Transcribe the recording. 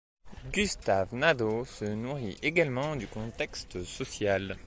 Gustave Nadaud se nourrit également du contexte social.